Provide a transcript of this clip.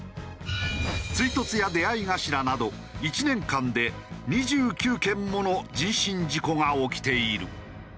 追突や出合い頭など１年間で２９件もの人身事故が起きている。